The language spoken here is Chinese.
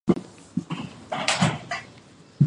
豆梨为蔷薇科梨属下的一个种。